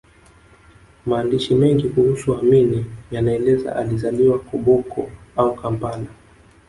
Maandishi mengi kuhusu amini yanaeleza alizaliwa Koboko au Kampala